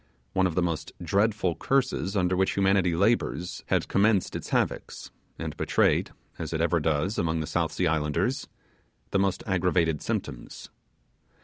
One of the most dreadful curses under which humanity labours had commenced its havocks, and betrayed, as it ever does among the South Sea islanders, the most aggravated symptoms.